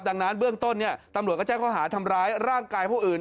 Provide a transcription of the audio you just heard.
ดังนั้นเบื้องต้นตำรวจก็แจ้งข้อหาทำร้ายร่างกายผู้อื่น